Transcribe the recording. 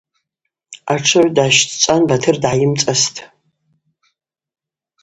Атшыгӏв дгӏащтӏчӏван Батыр дгӏайымцӏастӏ.